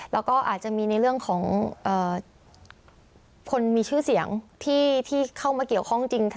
แล้วก็อาจจะมีในเรื่องของคนมีชื่อเสียงที่เข้ามาเกี่ยวข้องจริง